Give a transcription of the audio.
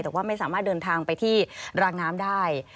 แต่ว่าไม่สามารถเดินทางไปที่รางน้ำได้